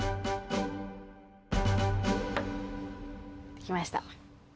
できました。